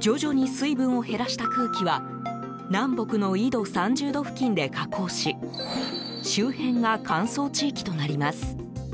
徐々に水分を減らした空気は南北の緯度３０度付近で下降し周辺が乾燥地域となります。